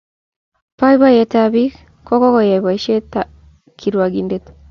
Boiboyetab ab biik ko koyay boiset kirwongindet